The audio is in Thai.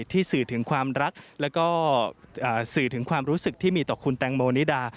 ที่สื่อถึงความรักแล้วก็สื่อถึงความรู้สึกที่มีต่อคุณแตงโมนิดา